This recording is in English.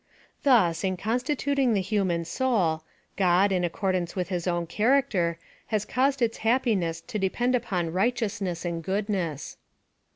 Thus, in constituting the human soul, God, in ac cordance with his own character, has caused its hap j)iness to depend upon righteousness and goodnej?s.